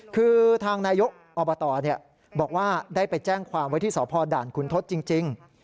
คือทางนายกอบตบอกว่าได้ไปแจ้งความไว้ที่สพด่านคุณทศจริง